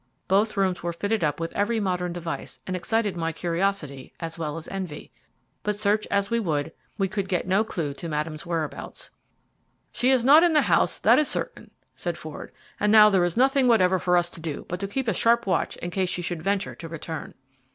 Both rooms were fitted up with every modern device, and excited my curiosity as well as envy. But search as we would we could get no clue to Madame's whereabouts. "She is not in the house, that is certain," said Ford; "and now there is nothing whatever for us to do but to keep a sharp watch in case she should venture to return."